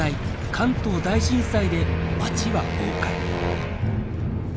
関東大震災で街は崩壊。